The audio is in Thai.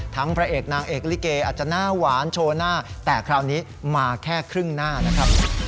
พระเอกนางเอกลิเกอาจจะหน้าหวานโชว์หน้าแต่คราวนี้มาแค่ครึ่งหน้านะครับ